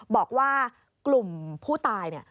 บอกว่ากลุ่มผู้ตายเนี่ย